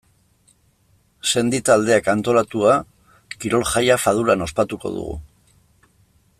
Sendi taldeak antolatua, kirol-jaia Faduran ospatuko dugu.